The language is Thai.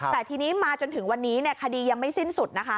แต่ทีนี้มาจนถึงวันนี้คดียังไม่สิ้นสุดนะคะ